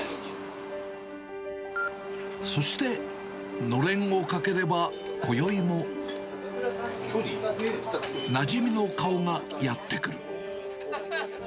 そして、のれんをかければこよいも、なじみの顔がやって来る。